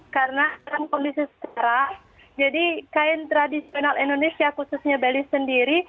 karena dalam kondisi sekarang jadi kain tradisional indonesia khususnya bali sendiri